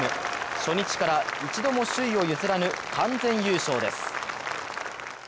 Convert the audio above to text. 初日から一度も首位を譲らぬ完全優勝です。